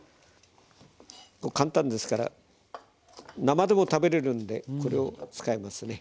簡単ですから生でも食べれるんでこれを使いますね。